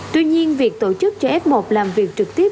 tuy nhiên việc tổ chức cho f một làm việc trực tiếp